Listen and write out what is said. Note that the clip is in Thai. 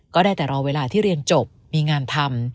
ก็ได้แต่รอเวลาที่เรียนจบมีงานทำ